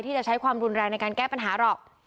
จะใช้ความรุนแรงในการแก้ปัญหาหรอก